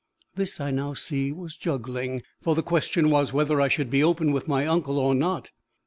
This, I now see, was juggling; for the question was whether I should be open with my uncle or not.